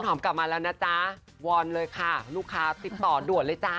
กลับมาแล้วนะจ๊ะวอนเลยค่ะลูกค้าติดต่อด่วนเลยจ้า